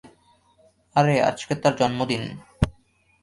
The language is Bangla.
আরে আজকে তার জন্মদিন!